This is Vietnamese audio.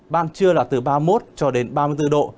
ban trưa là từ ba mươi một ba mươi bốn độ